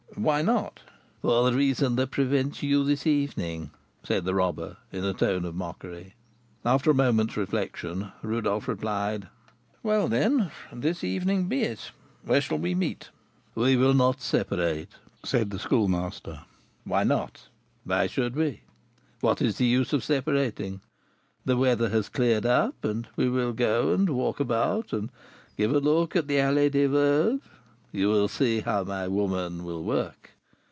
"Why not?" "For the reason that prevents you this evening," said the robber, in a tone of mockery. After a moment's reflection, Rodolph replied: "Well, then, this evening be it. Where shall we meet?" "We will not separate," said the Schoolmaster. "Why not?" "Why should we?" "What is the use of separating? The weather has cleared up, and we will go and walk about, and give a look at the Allée des Veuves; you will see how my woman will work.